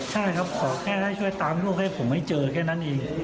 ใช่ครับขอแค่ให้ช่วยตามลูกให้ผมให้เจอแค่นั้นเอง